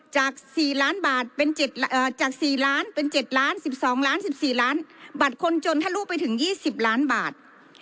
จาก๔ล้านเป็น๗ล้าน๑๒ล้าน๑๔ล้านบัตรคนจนถ้ารู้ไปถึง๒๐ล้านบาท